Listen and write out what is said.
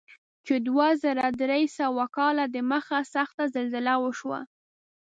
چې دوه زره درې سوه کاله دمخه سخته زلزله وشوه.